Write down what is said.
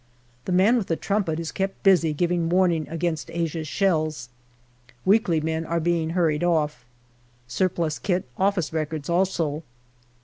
The man with the trumpet is kept busy giving warning against Asia's shells. Weakly men are being hurried off. Surplus kit, office records, also.